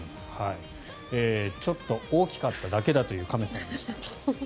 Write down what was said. ちょっと大きかっただけだという亀さんです。